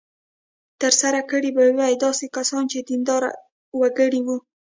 ترسره کړې به وي داسې کسانو چې دینداره وګړي وو.